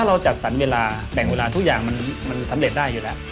เราจัดสรรเวลาแบ่งเวลาทุกอย่างมันสำเร็จได้อยู่แล้ว